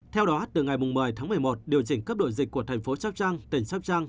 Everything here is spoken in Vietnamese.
theo đó từ ngày một mươi tháng một mươi một điều chỉnh cấp đội dịch của thành phố sóc trăng tỉnh sóc trăng